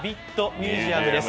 ミュージアムです。